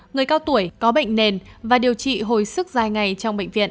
người cao tuổi có bệnh nền và điều trị hồi sức dài ngày trong bệnh viện